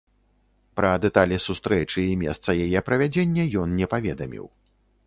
Пра дэталі сустрэчы і месца яе правядзення ён не паведаміў.